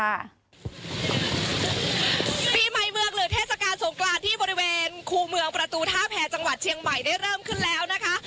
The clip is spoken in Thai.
ปีใหม่เมืองหรือเทศกาลสงกรานที่บริเวณคู่เมืองประตูท่าแพรจังหวัดเชียงใหม่ได้เริ่มขึ้นแล้วนะคะ